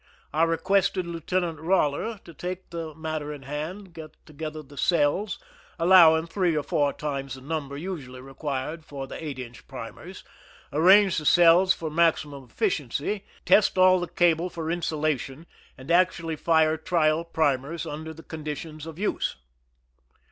I requested Lieutenant EoUer to take the matter in hand, get together the cells, allowing three or four times the number usually required for the eight inch primers, arrange the cells for maxi mum efficiency, test all the cable for insulation, and actually fire trial primers under the conditions of use.